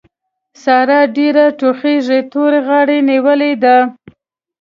سارا ډېره ټوخېږي؛ تورې غاړې نيولې ده.